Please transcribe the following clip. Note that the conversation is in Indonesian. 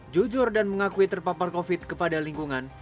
jujur dan mengakui terpapar covid kepada lingkungan